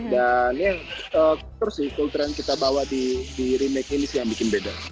dan ya tentu sih kultur yang kita bawa di remake ini sih yang bikin beda